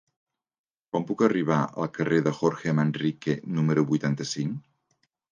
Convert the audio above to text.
Com puc arribar al carrer de Jorge Manrique número vuitanta-cinc?